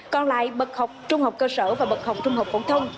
còn lại bậc học trung học cơ sở và bậc học trung học phổ thông